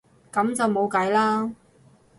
噉就冇計啦